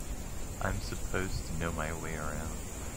I'm supposed to know my way around.